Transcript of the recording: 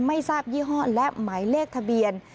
ไม่ทราบยี่ห้อและหมายเลขทะเบียน